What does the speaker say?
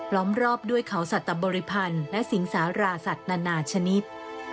้อมรอบด้วยเขาสัตบริพันธ์และสิงสาราสัตว์นานาชนิด